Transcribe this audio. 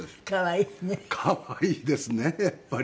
可愛いですねやっぱり。